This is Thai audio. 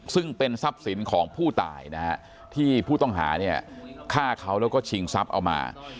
ซึ่งเป็นทรัพย์สินของผู้ตายนะฮะที่ผู้ต้องหาเนี่ยฆ่าเขาแล้วก็ชิงทรัพย์เอามา